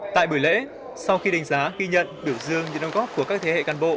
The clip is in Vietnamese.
tại buổi lễ sau khi đánh giá ghi nhận biểu dương những đồng góp của các thế hệ cán bộ